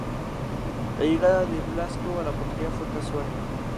La llegada de Blasco a la portería fue casual.